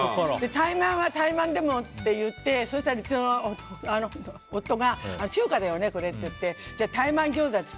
怠慢は怠慢でもって言ってそうしたら、うちの夫が中華だよね、これって言ってじゃあ、台満餃子だって。